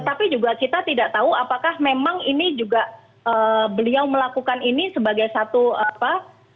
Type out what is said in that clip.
dan juga kita tidak tahu apakah memang ini juga beliau melakukan ini sebagai satu apa